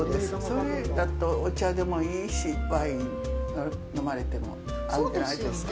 それだとお茶でもいいしワイン飲まれても合うんじゃないですか。